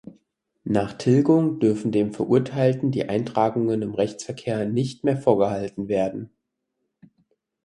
Nach Tilgung dürfen dem Verurteilten die Eintragungen im Rechtsverkehr nicht mehr vorgehalten werden.